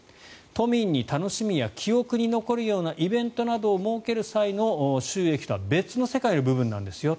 都民に楽しみや記憶に残るようなイベントを設ける際の収益とは別の部分の世界なんですよ